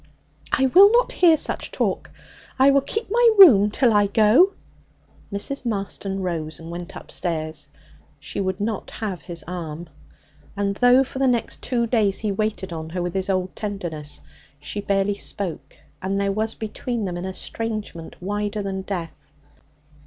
'I will not hear such talk. I will keep my room till I go.' Mrs. Marston rose and went upstairs. She would not have his arm. And though for the next two days he waited on her with his old tenderness, she barely spoke, and there was between them an estrangement wider than death.